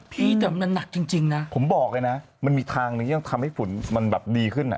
พี่แต่มันหนักจริงนะผมบอกเลยนะมันมีทางหนึ่งที่ต้องทำให้ฝุ่นมันแบบดีขึ้นอ่ะ